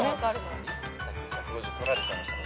さっき１５０取られちゃいました。